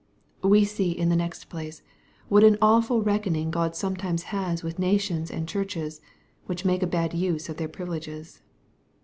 / We see, in the next place, what an awfvl reckoning ! God sometimes has with nations and churches^ which ^make a bad use of their privileges.